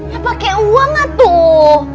ya pakai uang lah tuh